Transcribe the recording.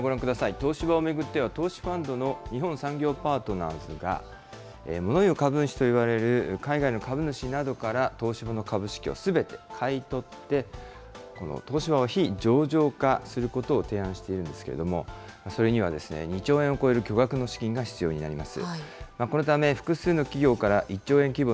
東芝を巡っては投資ファンドの日本産業パートナーズが、ものいう株主といわれる海外の株主などから東芝の株式をすべて買い取って、この東芝を非上場化することを提案しているんですけれども、それには２兆円を超える巨額の資金が必要になります。